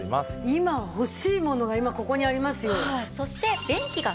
今欲しいものが今ここにありますよ。